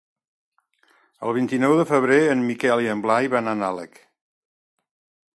El vint-i-nou de febrer en Miquel i en Blai van a Nalec.